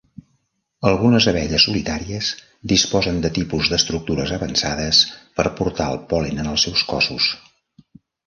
Algunes abelles solitàries disposen de tipus d'estructures avançades per portar el pol·len en els seus cossos.